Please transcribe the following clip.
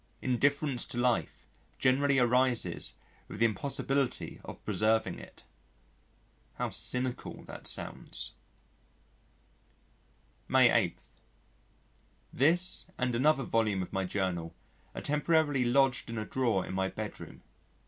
Indifference to life generally arises with the impossibility of preserving it" how cynical that sounds. May 8. This and another volume of my Journal are temporarily lodged in a drawer in my bedroom.